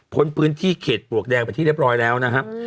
พื้นที่เขตปลวกแดงไปที่เรียบร้อยแล้วนะครับ